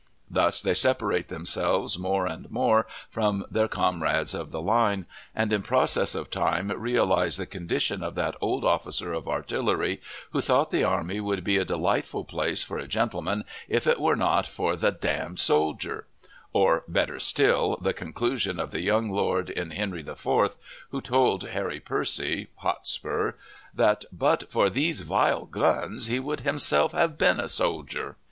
Thus they separate themselves more and more from their comrades of the line, and in process of time realize the condition of that old officer of artillery who thought the army would be a delightful place for a gentleman if it were not for the d d soldier; or, better still, the conclusion of the young lord in "Henry IV.," who told Harry Percy (Hotspur) that "but for these vile guns he would himself have been a soldier."